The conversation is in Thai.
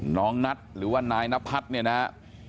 น้องนัทหรือว่านายนพัฒน์เนี่ยนะฮะ